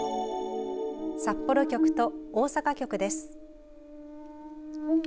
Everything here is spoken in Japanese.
札幌局と大阪局です。